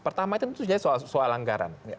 pertama itu tentu saja soal anggaran